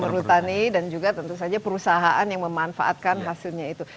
perhutani dan juga tentu saja perusahaan yang memanfaatkan hasilnya itu